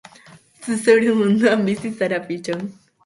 Zu zeure munduan bizi zara, pitxon.